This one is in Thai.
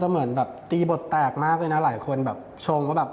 เหมือนแบบตีบทแตกมากเลยนะหลายคนแบบชงว่าแบบ